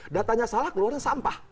datanya salah keluarnya sampah